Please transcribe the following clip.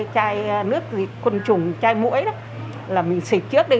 chai nước chai côn trùng chai mũi đó là mình xịt trước đi